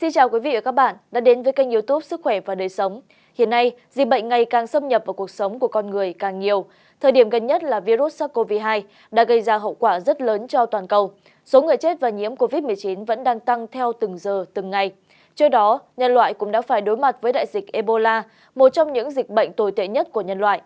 các bạn hãy đăng ký kênh để ủng hộ kênh của chúng mình nhé